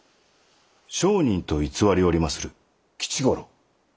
商人と偽りおりまする吉五郎。